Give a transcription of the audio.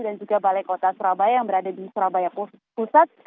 dan juga balai kota surabaya yang berada di surabaya pusat